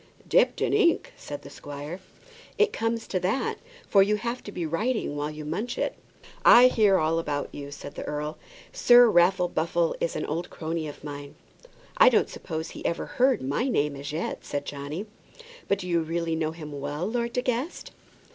"Dipped in ink!" said the squire. "It comes to that, for you have to be writing while you munch it." "I hear all about you," said the earl; "Sir Raffle Buffle is an old crony of mine." "I don't suppose he ever heard my name as yet," said Johnny. "But do you really know him well, Lord De Guest?"